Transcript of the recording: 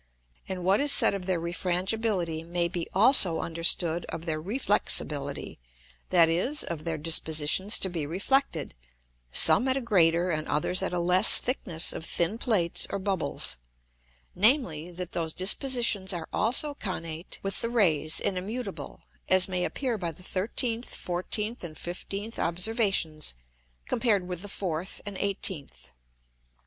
And what is said of their Refrangibility may be also understood of their Reflexibility, that is, of their Dispositions to be reflected, some at a greater, and others at a less thickness of thin Plates or Bubbles; namely, that those Dispositions are also connate with the Rays, and immutable; as may appear by the 13th, 14th, and 15th Observations, compared with the fourth and eighteenth.